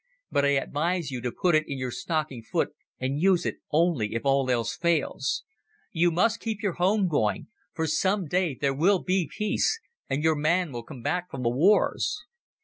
But I advise you to put it in your stocking foot and use it only if all else fails. You must keep your home going, for some day there will be peace and your man will come back from the wars."